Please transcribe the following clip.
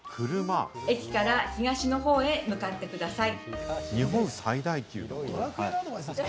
駅から東のほうへ向かってください。